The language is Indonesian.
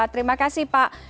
terima kasih pak